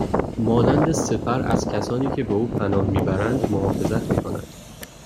مانند سپر ازکسانی که به او پناه میبرند محافظت میکند